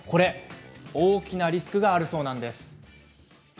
大きなリスクがあるそうです。